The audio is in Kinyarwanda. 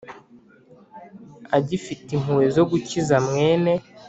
agifite impuhwe zo gukiza mwene